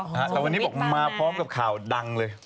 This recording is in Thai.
สุขุมวิทย์ฟังนะครับค่ะสุขุมวิทย์ฟังนะครับวันนี้บอกมาพร้อมกับข่าวดังเลย